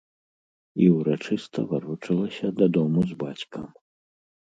І ўрачыста варочалася дадому з бацькам.